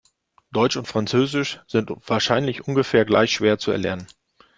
Deutsch und Französisch sind wahrscheinlich ungefähr gleich schwer zu erlernen.